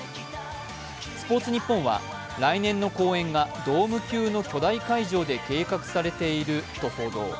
スポーツニッポンは来年の公演がドーム級の巨大会場で計画されていると報道。